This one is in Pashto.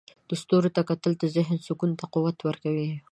د ستورو ته کتل د ذهن سکون ته قوت ورکوي.